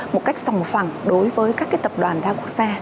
một cách sòng phẳng đối với các tập đoàn đa quốc gia